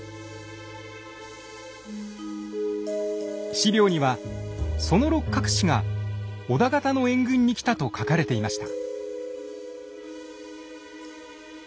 史料にはその六角氏が織田方の援軍に来たと書かれていました。